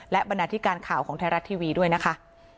และบรรณาธิการข่าวของไทยรัฐทีวีด้วยนะคะ